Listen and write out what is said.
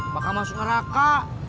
bakal masuk neraka